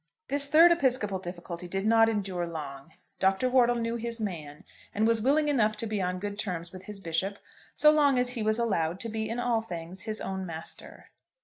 This third episcopal difficulty did not endure long. Dr. Wortle knew his man, and was willing enough to be on good terms with his bishop so long as he was allowed to be in all things his own master.